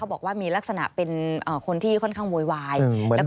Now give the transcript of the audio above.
บอกว่ามีลักษณะเป็นคนที่ค่อนข้างโวยวาย